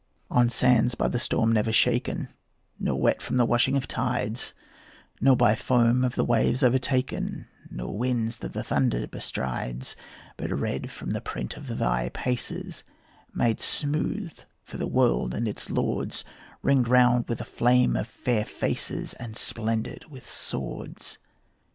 On sands by the storm never shaken, Nor wet from the washing of tides; Nor by foam of the waves overtaken, Nor winds that the thunder bestrides; But red from the print of thy paces, Made smooth for the world and its lords, Ringed round with a flame of fair faces, And splendid with swords.